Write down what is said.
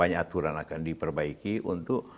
aturan akan diperbaiki untuk